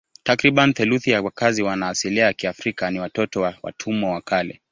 Takriban theluthi ya wakazi wana asili ya Kiafrika ni watoto wa watumwa wa kale.